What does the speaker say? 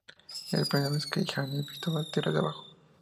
Era la primera vez que Janet visitaba la tierra de abajo.